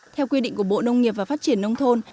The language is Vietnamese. theo quy định của bộ nông nghiệp và phát triển nông thôn